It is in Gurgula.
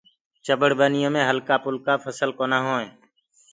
چٻڙ ڀنيو مي هلڪآ گلڪآ ڦسل ڪونآ هوئينٚ۔